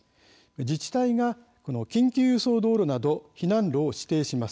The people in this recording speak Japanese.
自治体が緊急輸送道路など避難路を指定します。